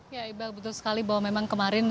ya iqbal betul sekali bahwa memang kemarin